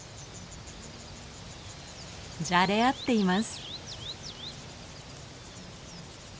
じゃれ合っています。